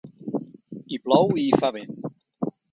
Hi plou i hi fa vent.